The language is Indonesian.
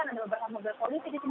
ada beberapa mobil polisi di sini